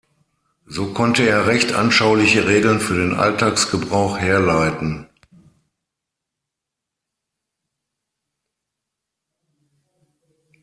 So konnte er recht anschauliche Regeln für den Alltagsgebrauch herleiten.